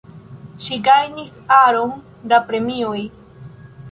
Ŝi gajnis aron da premioj.